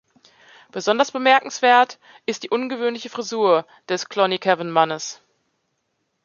Besonders bemerkenswert ist die ungewöhnliche Frisur des Clonycavan-Mannes.